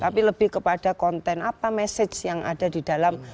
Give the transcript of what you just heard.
tapi lebih kepada konten apa message yang ada di dalam